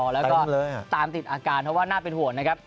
แล้วก็ตามติดอาการเพราะว่าน่าเป็นห่วงนะครับ